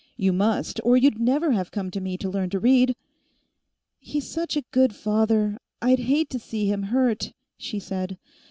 "You must, or you'd never have come to me to learn to read." "He's such a good father. I'd hate to see him hurt," she said.